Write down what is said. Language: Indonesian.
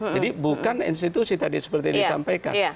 jadi bukan institusi tadi seperti disampaikan